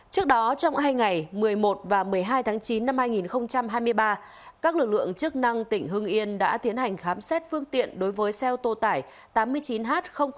trước đó trong hai ngày một mươi một và một mươi hai tháng chín năm hai nghìn hai mươi ba các lực lượng chức năng tỉnh hưng yên đã tiến hành khám xét phương tiện đối với xe ô tô tải tám mươi chín h ba trăm linh nghìn